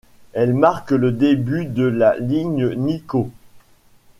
Elle marque le début de la ligne Nikkō.